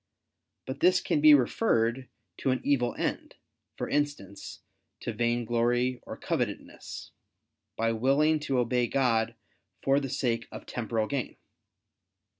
But this can be referred to an evil end, for instance, to vainglory or covetousness, by willing to obey God for the sake of temporal gain.